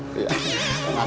makasih lho pak rp